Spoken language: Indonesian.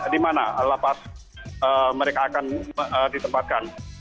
di mana lapas mereka akan ditempatkan